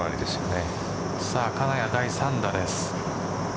金谷、第３打です。